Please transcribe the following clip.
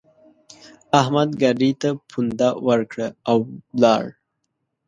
احمد ګاډي ته پونده ورکړه؛ او ولاړ.